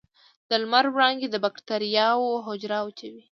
د لمر وړانګې د بکټریاوو حجره وچوي.